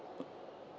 pak siapa ya